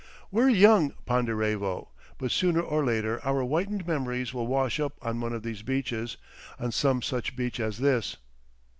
"We're young, Ponderevo, but sooner or later our whitened memories will wash up on one of these beaches, on some such beach as this.